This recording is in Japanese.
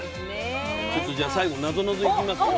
ちょっとじゃあ最後なぞなぞいきますよ。